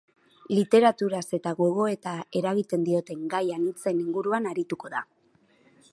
Literaturaz eta gogoeta eragiten dioten gai anitzen ingruan arituko da.